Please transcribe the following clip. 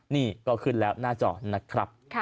นี่ก็ขึ้นแล้วหน้าจอนะครับ